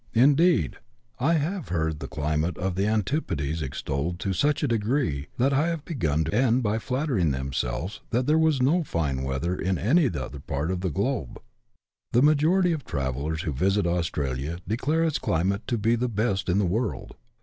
Indeed, I have heard the climate at the antipodes extolled to such a degree, that I have begun to fear that the colonists would end by flattering themselves that there was no fine weather in any other part of the globe. The majority of travellers who visit Australia declare its cli mate to be the best in the world.